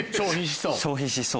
消費しそう？